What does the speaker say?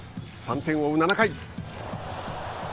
３点を追う７回。